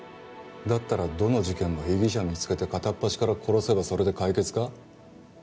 だったらどの事件も被疑者見つけて片っ端から殺せばそれで解決か？